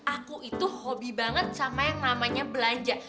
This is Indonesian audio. aku itu hobi banget sama yang namanya belanja